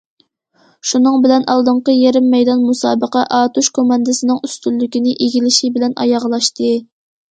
شۇنىڭ بىلەن، ئالدىنقى يېرىم مەيدان مۇسابىقە ئاتۇش كوماندىسىنىڭ ئۈستۈنلۈكنى ئىگىلىشى بىلەن ئاياغلاشتى.